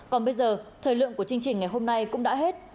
còn bây giờ thời lượng của chương trình ngày hôm nay cũng đã hết